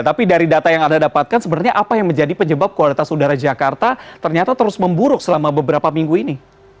tapi dari data yang anda dapatkan sebenarnya apa yang menjadi penyebab kualitas udara jakarta ternyata terus memburuk selama beberapa minggu ini